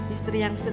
istri yang setia